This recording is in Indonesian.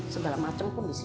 segala macem pun disiplin